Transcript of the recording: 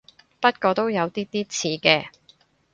不過都有啲啲似嘅